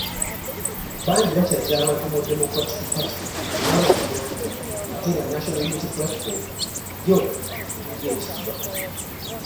Bangi bakyaggya abantu mu Democratic Party kubanga nnyanja ate nga National Unity Platform yo eringa ekidiba.